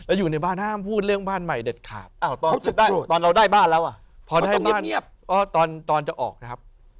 อะไรอย่างเงียบ